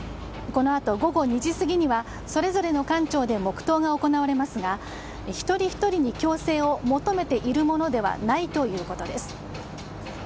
このあと、午後２時過ぎにはそれぞれの官庁で黙祷が行われますが一人ひとりに強制を求めているものではないということです。